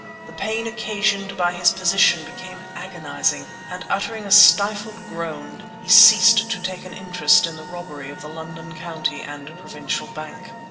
The pain occasioned by his position became agonizing, and uttering a stifled groan he ceased to take an interest in the robbery of the London County and Provincial Bank.